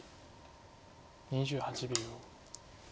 ２８秒。